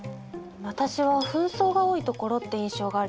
私は紛争が多いところって印象があります。